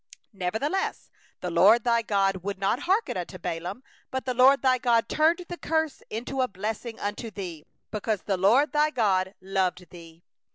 6Nevertheless the LORD thy God would not hearken unto Balaam; but the LORD thy God turned the curse into a blessing unto thee, because the LORD thy God loved thee.